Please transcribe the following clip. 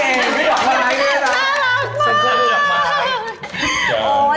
เซ็กเซอร์ได้ออกมา